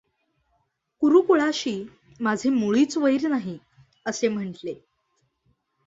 कुरुकुळाशी माझे मुळीच वैर नाही असे म्हटले.